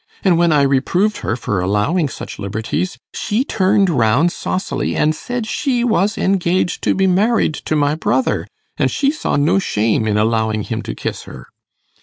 and when I reproved her for allowing such liberties, she turned round saucily, and said she was engaged to be married to my brother, and she saw no shame in allowing him to kiss her.